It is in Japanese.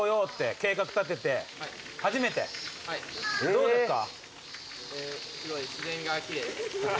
どうですか？